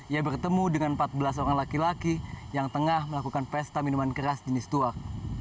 ia bertemu dengan empat belas orang laki laki yang tengah melakukan pesta minuman keras jenis tuak